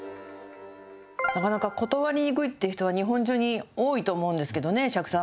なかなか断りにくいっていう人は、日本中に多いと思うんですけどね、釈さん。